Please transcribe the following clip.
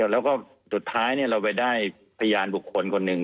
แล้วก็สุดท้ายเราไปได้พยานบุคคลคนหนึ่ง